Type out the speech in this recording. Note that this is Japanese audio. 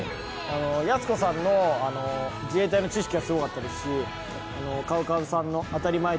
やす子さんの自衛隊の知識がすごかったですしＣＯＷＣＯＷさんのあたりまえ